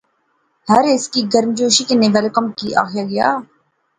ہر ہیس کی گرمجوشی کنے ویل کم آخیا گیا